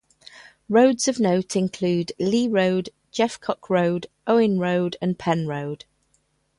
Roads of note include Lea Road, Jeffcock Road, Owen Road and Penn Road.